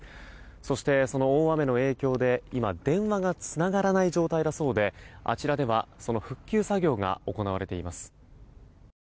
そして、その大雨の影響で今、電話がつながらない状態だそうであちらではその復旧作業が行われています。